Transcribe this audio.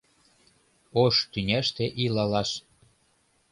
Ош тӱняште илалаш